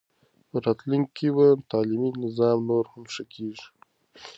په راتلونکي کې به تعلیمي نظام نور هم ښه کېږي.